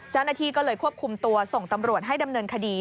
เจ้าหน้าที่ก็เลยควบคุมตัวส่งตำรวจให้ดำเนินคดี